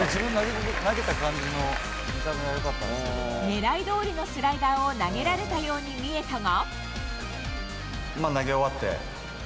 狙いどおりのスライダーを投げられたように見えたが。